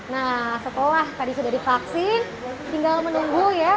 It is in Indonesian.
nah setelah tadi sudah divaksin tinggal menunggu ya